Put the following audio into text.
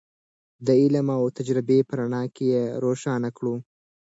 د علم او تجربې په رڼا کې یې روښانه کړو.